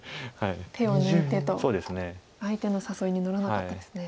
手を抜いてと相手の誘いに乗らなかったですね。